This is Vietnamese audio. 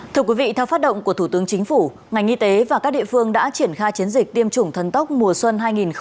thưa quý vị theo phát động của thủ tướng chính phủ ngành y tế và các địa phương đã triển khai chiến dịch tiêm chủng thần tốc mùa xuân hai nghìn hai mươi